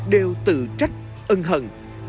đều tự trách ân hận